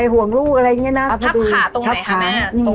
ฉันหลับขาตรงไหนคะแม่